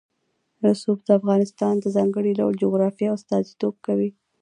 رسوب د افغانستان د ځانګړي ډول جغرافیه استازیتوب کوي.